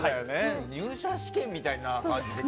入社試験みたいな感じで。